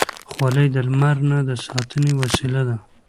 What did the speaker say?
خولۍ د لمر نه د ساتنې وسیله ده.